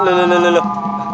leluh leluh leluh